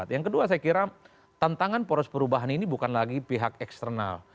yang kedua saya kira tantangan poros perubahan ini bukan lagi pihak eksternal